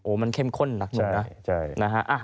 มันเข้มข้นหนักหนึ่งนะ